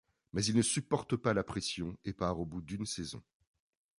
Mais il ne supporte pas la pression et part au bout d'une saison.